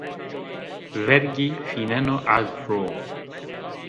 Vergî fîneno erd ro